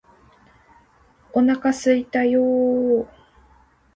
お腹すいたよーー